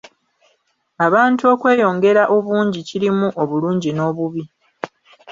Abantu okweyongera obungi kirimu obulungi n'obubi.